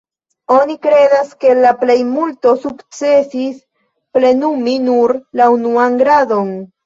Oni kredas, ke la plejmulto sukcesis plenumi nur la "unuan gradon".